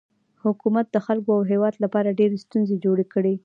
حکومت د خلکو او هیواد لپاره ډیرې ستونزې جوړې کړي.